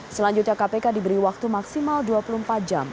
selanjutnya kpk diberi waktu maksimal dua puluh empat jam